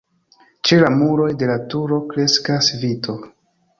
Ĉe la muroj de la turo kreskas vito.